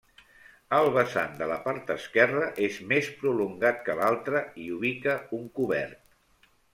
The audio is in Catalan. El vessant de la part esquerra és més prolongat que l'altre i ubica un cobert.